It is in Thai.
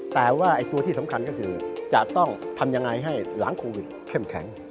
แต่ว่าตัวที่สำคัญก็คือจะต้องทำยังไงให้หลังโควิดเข้มแข็ง